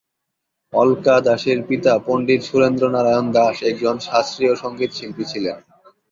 অলকা দাশের পিতা পণ্ডিত সুরেন্দ্র নারায়ণ দাশ একজন শাস্ত্রীয় সঙ্গীতশিল্পী ছিলেন।